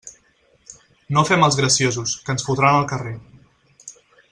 No fem els graciosos, que ens fotran al carrer.